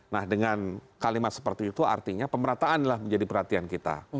nah dengan kalimat seperti itu artinya pemerataan lah menjadi perhatian kita